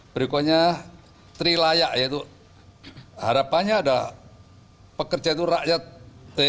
berikutnya trilayak yaitu harapannya ada pekerja itu rakyat tni